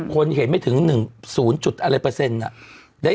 คนเห็นไม่ถึงหนึ่งศูนย์จุดอะไรเปอร์เซ็นต์น่ะ